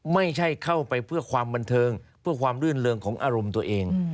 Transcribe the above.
ไม่ใช่เข้าไปเพื่อความบันเทิงเพื่อความรื่นเริงของอารมณ์ตัวเอง